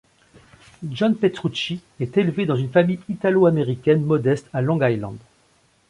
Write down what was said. John Petrucci est élevé dans une famille italo-américaine modeste à Long Island.